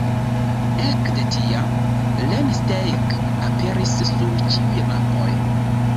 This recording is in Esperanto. Ekde tiam Rennsteig aperis sur ĉiuj mapoj.